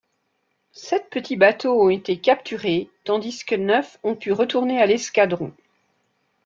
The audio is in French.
Sept petits bateaux ont été capturés, tandis que neuf ont pu retourner à l'escadron.